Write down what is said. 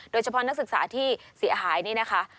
โดยเฉพาะนักศึกษาที่เสียหายนี่นะคะ